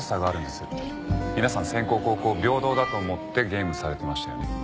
皆さん先攻後攻平等だと思ってゲームされてましたよね。